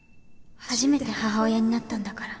母親になったんだから